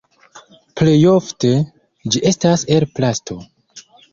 Plejofte ĝi estas el plasto.